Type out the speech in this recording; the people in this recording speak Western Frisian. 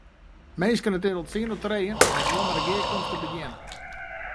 Minsken, it is al tsien oer trijen en ik wol mei de gearkomste begjinne.